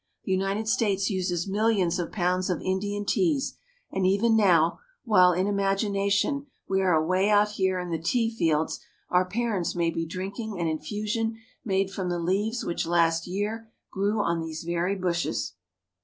The United States uses millions of pounds of Indian teas, and even now, while in imagination we are away out here in the tea fields, our parents may be drinking an infusion made from the leaves which last year grew on these very bushes.